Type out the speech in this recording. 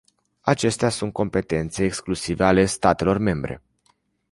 Acestea sunt competențe exclusive ale statelor membre.